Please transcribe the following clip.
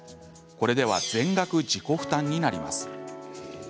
これでは全額自己負担になります。